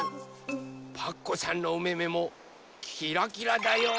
パクこさんのおめめもキラキラだよ！